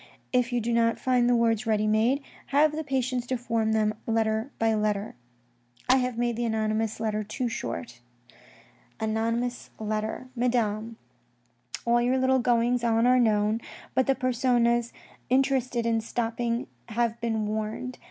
If you do not find the words ready made, have the patience to form them letter by letter. I have made the anonymous letter too short. ANNONYMOUS LETTERS 127 Annonymous Letter. ' Madame, All your little goings on are known, but the persons interested in stopping have been warned.